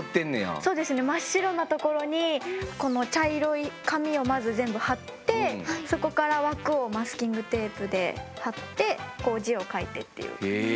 そうですね真っ白なところにこの茶色い紙をまず全部貼ってそこから枠をマスキングテープで貼ってこう字を書いてっていう感じです。